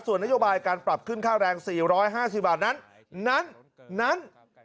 ส่วนนโยบายการปรับขึ้นค่าแรงสี่ร้อยห้าสี่บาทนั้นนั้นนั้น